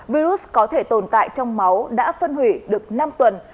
virus có thể tồn tại trong máu đã phân hủy được năm tuần